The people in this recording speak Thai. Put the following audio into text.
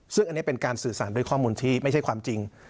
ซึ่งอันนี้เป็นการสื่อสารด้วยข้อมูลที่ไม่ใช่ความจริง